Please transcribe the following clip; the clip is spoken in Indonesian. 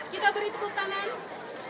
kita beri tepuk tangan